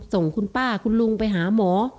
ส่งคุณป้าคุณลุงไปหาหมอ